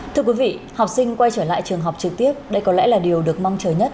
thưa quý vị học sinh quay trở lại trường học trực tiếp đây có lẽ là điều được mong chờ nhất